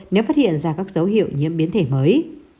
nếu phát hiện ra các dấu hiệu nhiễm biến thể mới